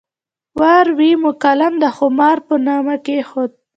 ور وې قلم د خامار په نامه کېښود.